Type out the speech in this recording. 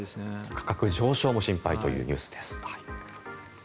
価格上昇も心配というニュースです。